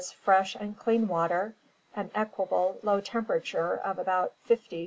fresh and clean water, an equable low temperature of about 500 F.